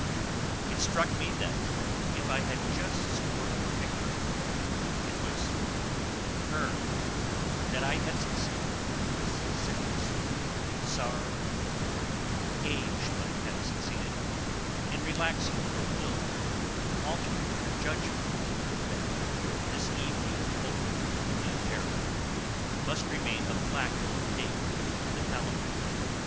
It struck me that if I had just scored a victory it was over her; that I had succeeded, as sickness or sorrow or age might have succeeded, in relaxing her will, in altering her judgment; that this evening opened a new era, must remain a black date in the calendar.